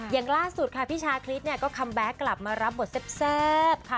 อย่างล่าสุดค่ะพี่ชาคริสเนี่ยก็คัมแบ็คกลับมารับบทแซ่บค่ะ